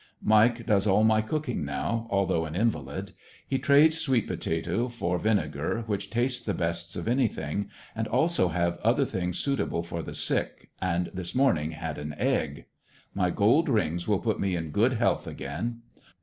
Mike does all my cooking now, although an invalid. He trades a sweet potato for vinegar, which tastes the best of anything, also have other things suitable for the sick, and this, morning had an Qgg, My gold rings will put me in tood health again.